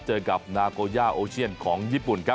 เจอกับนาโกย่าโอเชียนของญี่ปุ่นครับ